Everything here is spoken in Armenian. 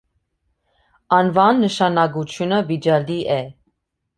Անվան նշանակությունը վիճելի է։